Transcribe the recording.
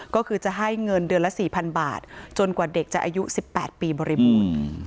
ก็คือจะให้เงินเดือนละสี่พันบาทจนกว่าเด็กจะอายุสิบแปดปีบริมูล